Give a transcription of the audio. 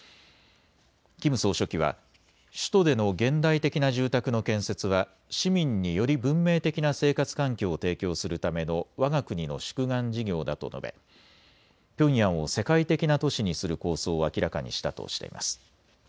キム総書記は首都での現代的な住宅の建設は市民により文明的な生活環境を提供するためのわが国の宿願事業だと述べピョンヤンを世界的な都市にする構想を明らかにしたとしています。